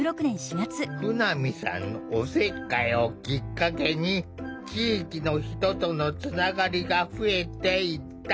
舩見さんのおせっかいをきっかけに地域の人とのつながりが増えていった。